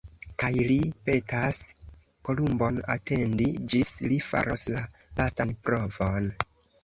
Kaj li petas Kolumbon atendi, ĝis li faros la lastan provon.